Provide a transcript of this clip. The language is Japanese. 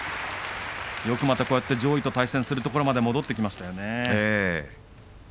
よくまたこうやって上位と対戦するところまで戻ってきましたね。